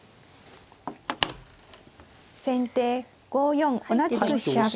先手５四同じく飛車。